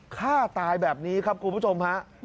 ฆ่าตายแบบนี้ครับคุณผู้ชมฮะ